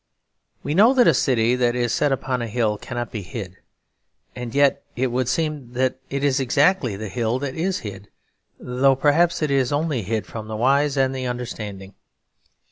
We know that a city that is set upon a hill cannot be hid; and yet it would seem that it is exactly the hill that is hid; though perhaps it is only hid from the wise and the understanding.